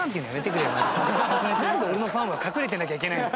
なんで俺のファンは隠れてなきゃいけないの？